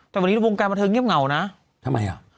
แต่วันนี้วงการบันเทิงเงียบเหงานะทำไมอ่ะ